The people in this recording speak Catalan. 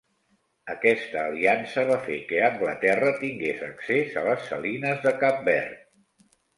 Aquesta aliança va fer que Anglaterra tingués accés a les salines de Cap Verd.